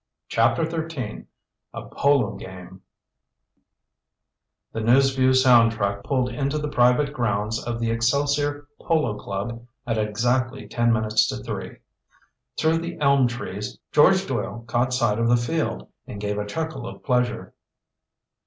CHAPTER XIII A POLO GAME The News Vue sound truck pulled into the private grounds of the Excelsior Polo Club at exactly ten minutes to three. Through the elm trees George Doyle caught sight of the field, and gave a chuckle of pleasure.